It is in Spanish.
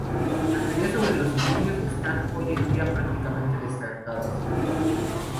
Las teorías sobre los ilirios están hoy en día prácticamente descartadas.